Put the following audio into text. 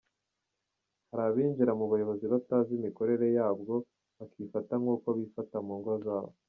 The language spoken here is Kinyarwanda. Hari abinjira mu buyobozi batazi imikorere yaybwo bakifata nk’uko bifata mu ngo zabo.